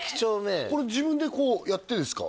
これ自分でこうやってんすか？